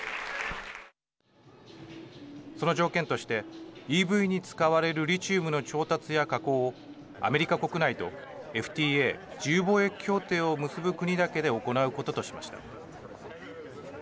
その条件として、ＥＶに使われるリチウムの調達や加工をアメリカ国内とＦＴＡ＝自由貿易協定を結ぶ国だけで行うこととしました。